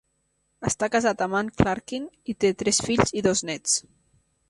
Està casat amb Anne Clarkin i té tres fills i dos néts.